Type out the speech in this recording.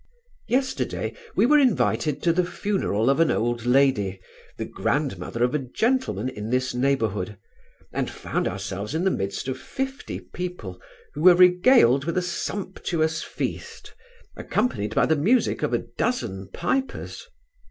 Yesterday we were invited to the funeral of an old lady, the grandmother of a gentleman in this neighbourhood, and found ourselves in the midst of fifty people, who were regaled with a sumptuous feast, accompanied by the music of a dozen pipers.